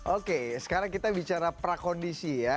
oke sekarang kita bicara prakondisi ya